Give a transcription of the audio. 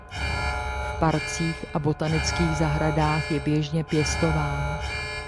V parcích a botanických zahradách je běžně pěstován.